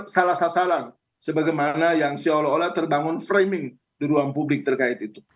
salah sasaran sebagaimana yang seolah olah terbangun framing di ruang publik terkait itu